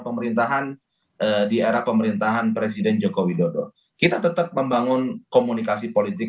pemerintahan di era pemerintahan presiden joko widodo kita tetap membangun komunikasi politik